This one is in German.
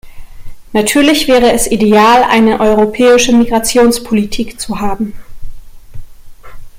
Natürlich wäre es ideal, eine europäische Migrationspolitik zu haben.